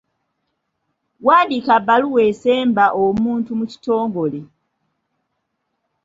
Wandiika bbaluwa esemba omuntu mu kitongole.